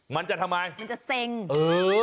มันจะทำไมมันจะเซ็งเออ